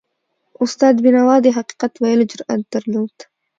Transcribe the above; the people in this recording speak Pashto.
استاد بینوا د حقیقت ویلو جرأت درلود.